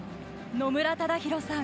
野村忠宏さん